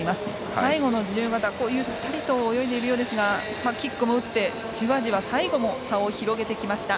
最後の自由形ゆったりと泳いでいるようですがキックも打って、じわじわ最後も差を広げてきました。